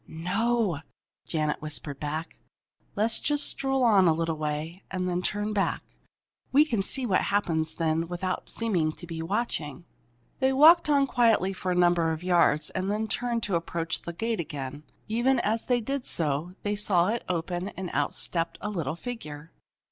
"No," Janet whispered back. "Let's just stroll on a little way, and then turn back. We can see what happens then without seeming to be watching." They walked on quickly for a number of yards, and then turned to approach the gate again. Even as they did so they saw it open, and out stepped a little figure.